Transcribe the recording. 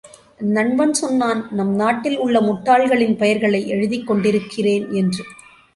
நண்பன் சொன்னான் நம்நாட்டில் உள்ள முட்டாள்களின் பெயர்களை எழுதிக் கொண்டிருக்கிறேன் என்று.